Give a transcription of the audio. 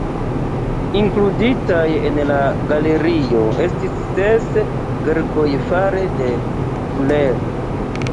Inkluditaj en la galerio estis ses verkoj fare de Fuller.